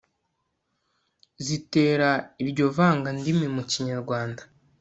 zitera iryo vangandimi mu kinyarwanda